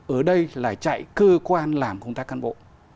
ở đây là chạy cơ quan làm công tác cán bộ